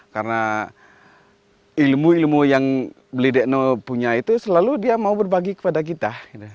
karena ilmu ilmu yang beli dekno punya itu selalu dia mau berbagi kepada kita